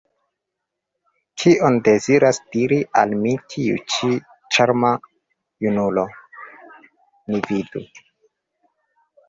Kion deziras diri al mi tiu ĉi ĉarma junulo? Ni vidu!